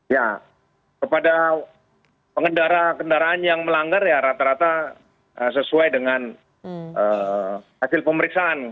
ya kepada pengendara kendaraan yang melanggar ya rata rata sesuai dengan hasil pemeriksaan